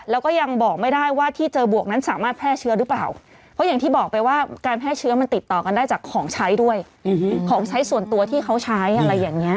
แล้วก็ยังบอกไม่ได้ว่าที่เจอบวกนั้นสามารถแพร่เชื้อหรือเปล่าเพราะอย่างที่บอกไปว่าการแพร่เชื้อมันติดต่อกันได้จากของใช้ด้วยของใช้ส่วนตัวที่เขาใช้อะไรอย่างเงี้